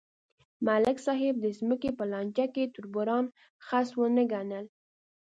ملک صاحب د ځمکې په لانجه کې تربوران خس ونه ګڼل.